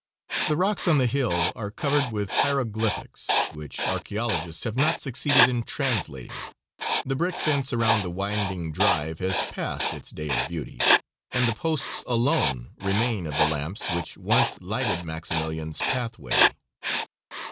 The rocks on the hill are covered with hieroglyphics, which archaeologists have not succeeded in translating; the brick fence around the winding drive has passed its day of beauty, and the posts alone remain of the lamps which once lighted Maximilian's pathway.